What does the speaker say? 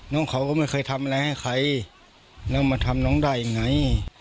น้องเขาก็ไม่เคยทำอะไรให้ใครแล้วมาทำน้องได้ยังไง